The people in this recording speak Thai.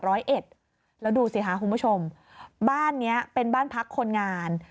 แล้วดูสิค่ะคุณผู้ชมบ้านเนี้ยเป็นบ้านพักคนงาน